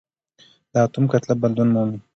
د اتوم کتله بدلون مومي.